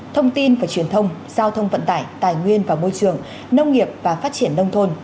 thông tin và truyền thông giao thông vận tải tài nguyên và môi trường nông nghiệp và phát triển nông thôn